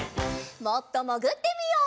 もっともぐってみよう。